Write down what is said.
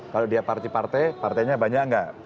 kalau dia partai partainya banyak nggak